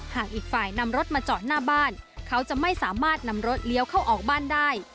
หากอีกฝ่ายนำรถมาจอดหน้าบ้านเขาจะไม่สามารถนำรถเลี้ยวเข้าออกบ้านได้